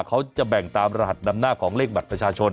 เขาจะแบ่งตามรหัสนำหน้าของเลขบัตรประชาชน